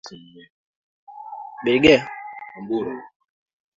Muungano wa kisovieti ulimwaga pesa ndani ya Cuba